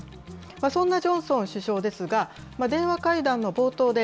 そんなジョンソン首相ですが、電話会談の冒頭で、